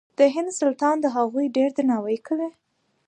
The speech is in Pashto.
د هند سلطان د هغوی ډېر درناوی کوي.